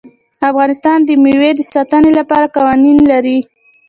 افغانستان د مېوې د ساتنې لپاره قوانین لري.